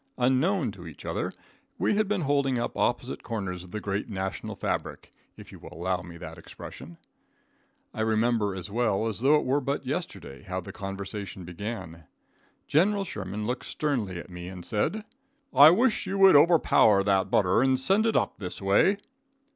Unknown to each other, we had been holding up opposite corners of the great national fabric, if you will allow me that expression. I remember, as well as though it were but yesterday, how the conversation began. General Sherman looked sternly at me and said: "I wish you would overpower that butter and send it up this way."